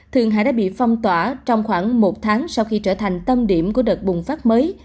thường hải đã bị phong tỏa trong khoảng một tháng sau khi trở thành tâm điểm của đợt bùng phát mới